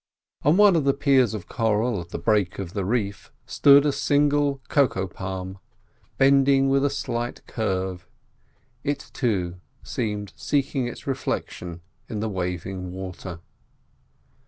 On one of the piers of coral at the break of the reef stood a single cocoa palm; bending with a slight curve, it, too, seemed seeking its reflection in the waving water.